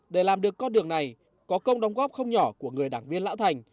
để làm được con đường này có công đóng góp không nhỏ của người đảng viên lão thành